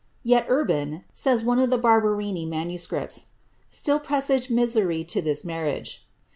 ^^Yet Urban,'' says one of the Barba rini MSS., ^ still presaged misery to this marriage.